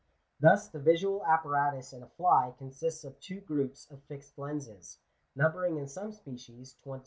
Thus the visual apparatus in a fly consists of two groups of fixed lenses, numbering in some species 20,000.